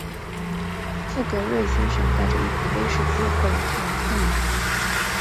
富格瑞先生带着一瓶威士忌过来看望柯南。